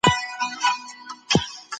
عبدالمالک همت بيمار احمدصميم توپان